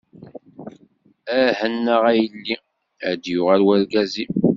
Eh anaɣ a yelli, ad d-yuɣal urgaz-im.